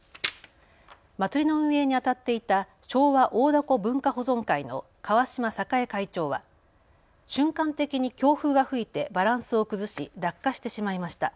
祭りの運営にあたっていた庄和大凧文化保存会の川島栄会長は瞬間的に強風が吹いてバランスを崩し落下してしまいました。